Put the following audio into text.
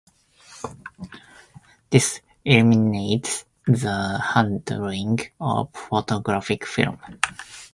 This eliminates the handling of photographic film.